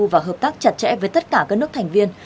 và hợp tác chặt chẽ với tất cả các nước thành viên